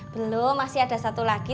belum masih ada satu lagi